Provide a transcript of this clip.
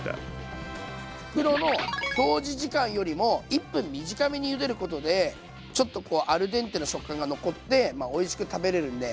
袋の表示時間よりも１分短めにゆでることでちょっとこうアルデンテの食感が残っておいしく食べれるんで。